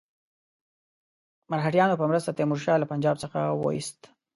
مرهټیانو په مرسته تیمور شاه له پنجاب څخه وایست.